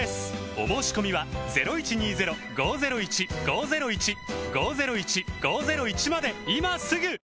お申込みは今すぐ！